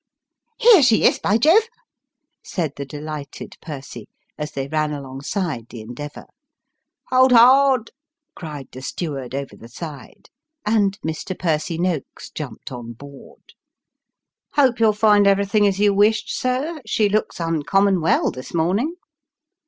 " Here she is, by Jove !" said the delighted Percy, as they ran alongside the Endeavour. " Hold hard !" cried the steward over the side, and Mr. Percy Noakes jumped on board. " Hope you will find everything as you wished, sir. She looks uncommon well this morning."